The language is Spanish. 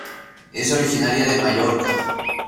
Es originaria de Mallorca.